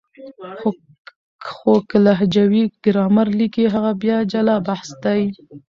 خو که لهجوي ګرامر ليکي هغه بیا جلا بحث دی.